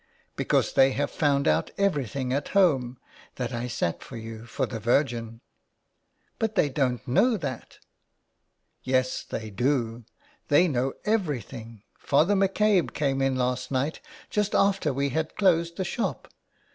" Because they have found out everything at home, that I sat for you, for the Virgin." "But they don't know that—" "Yes, they do. They know everything. Father McCabe came in last night, just after we had closed the shop.